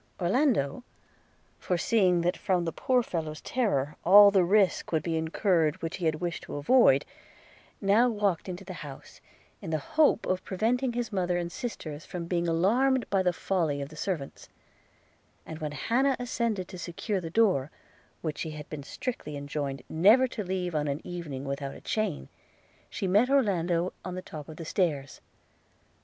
Orlando, foreseeing that from the poor fellow's terror, all the risk would be incurred which he had wished to avoid, now walked into the house, in the hope of preventing his mother and sisters from being alarmed by the folly of the servants; and when Hannah ascended to secure the door, which she had been strictly enjoined never to leave of an evening without a chain, she met Orlando on the top of the stairs.